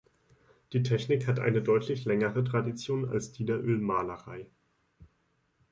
Die Technik hat eine deutlich längere Tradition als die der Ölmalerei.